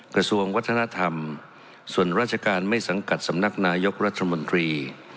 กระทรวงวัฒนธรรมส่วนราชการไม่สังกัดสำนักนายกรัฐมนตรี